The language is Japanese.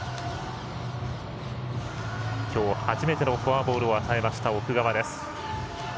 きょう初めてのフォアボールを与えました奥川。